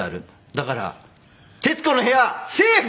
だから『徹子の部屋』セーフ！